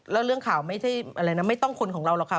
แล้วเรื่องข่าวไม่ใช่อะไรนะไม่ต้องคนของเราหรอกค่ะ